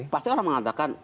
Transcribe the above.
pasti orang mengatakan